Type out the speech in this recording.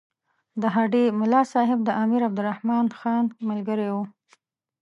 د هډې ملاصاحب د امیر عبدالرحمن خان ملګری وو.